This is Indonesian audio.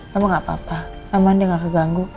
tapi gak apa apa aman dia gak keganggu